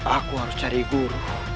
aku harus mencari guru